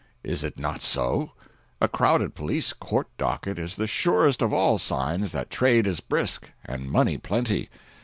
Is it not so? A crowded police court docket is the surest of all signs that trade is brisk and money plenty.